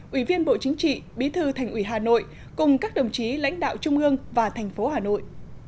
ủy viên bộ chính trị bí thư thành ủy hà nội cùng các đồng chí lãnh đạo trung ương và thành phố hà nội